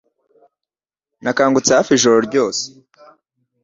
Nakangutse hafi ijoro ryose